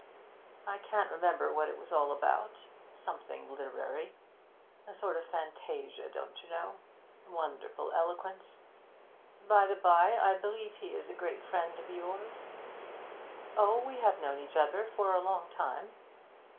I can't remember what it was all about something literary. A sort of fantasia, don't you know. Wonderful eloquence. By the bye, I believe he is a great friend of yours?' 'Oh, we have known each other for a long time.'